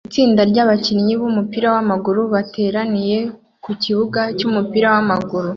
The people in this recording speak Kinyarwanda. Itsinda ryabakinnyi bumupira wamaguru bateraniye mukibuga cyumupira wamaguru